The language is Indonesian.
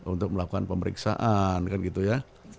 untuk melakukan pemeriksaan kan gitu ya